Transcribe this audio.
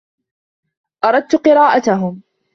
أردت قراءتهم.